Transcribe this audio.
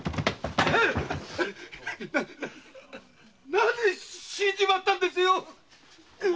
なぜ死んじまったんですよ！